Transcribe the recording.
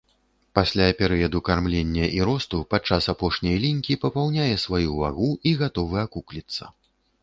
Пасля перыяду кармлення і росту, падчас апошняй лінькі папаўняе сваю вагу і гатовы акукліцца.